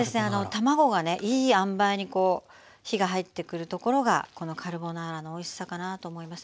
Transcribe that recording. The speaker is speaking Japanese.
卵がねいいあんばいに火が入ってくるところがこのカルボナーラのおいしさかなと思います。